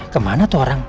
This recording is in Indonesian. kemana tuh orang